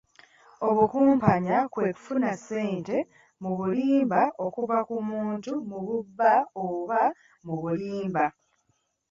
Obukumpanya kwe kufuna ssente mu bulimba okuva ku muntu mu bubba oba mu bulimba.